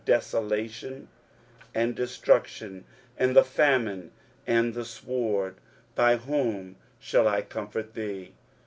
desolation, and destruction, and the famine, and the sword: by whom shall I comfort thee?